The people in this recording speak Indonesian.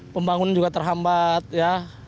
pembangunan juga terhambat ya